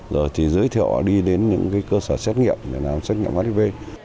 rồi thì giới thiệu đi đến những cơ sở xét nghiệm để làm xét nghiệm hiv